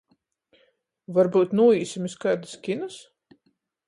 Varbyut nūīsim iz kaidys kinys?